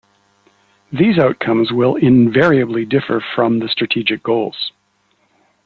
These outcomes will invariably differ from the strategic goals.